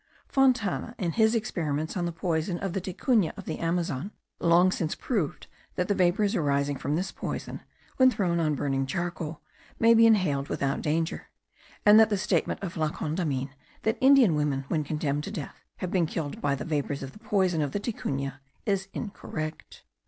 Fontana, in his experiments on the poison of the ticuna of the Amazon, long since proved that the vapours arising from this poison, when thrown on burning charcoal, may be inhaled without danger and that the statement of La Condamine, that Indian women, when condemned to death, have been killed by the vapours of the poison of the ticuna, is incorrect.